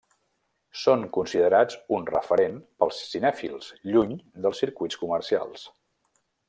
Són considerats un referent pels cinèfils, lluny dels circuits comercials.